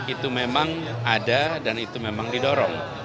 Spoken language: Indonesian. itu memang ada dan itu memang didorong